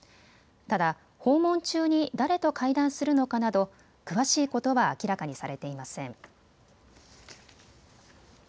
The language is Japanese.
ただ、訪問中に誰と会談するのかなど詳しいことは明らかにされていません。